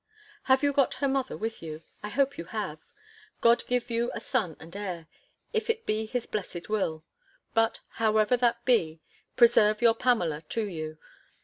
Have you got her mother with you? I hope you have. God give you a son and heir, if it be his blessed will! But, however that be, preserve your Pamela to you!